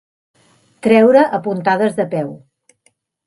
Treure a puntades de peu.